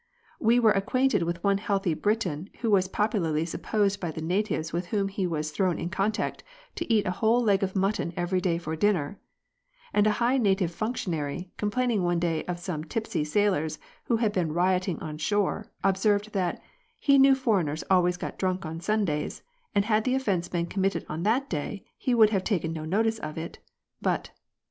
We were acquainted with one healthy Briton who was popularly supposed by the natives with whom he was thrown in contact to eat a whole leg of mutton every day for dinner ; and a high native functionary, complaining one day of some tipsy sailors who had been rioting on shore, observed that " he knew foreigners always got drunk on Sundays, and had the offence been committed on that day he would have taken no notice of it; but," &c.